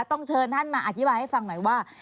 ต้องเชิญท่านมาอธิบายให้ฟังหน่อยว่า